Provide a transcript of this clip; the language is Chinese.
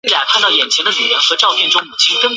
糙葶北葱是葱科葱属的变种。